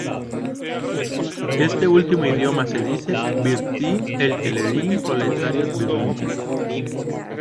En este último idioma, se dice "Бүтүн өлкəлəрин пролетарлары, бирлəшин!